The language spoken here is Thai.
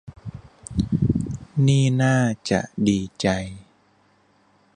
นี่น่าจะดีใจ